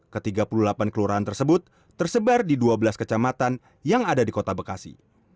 ketiga puluh delapan kelurahan tersebut tersebar di dua belas kecamatan yang ada di kota bekasi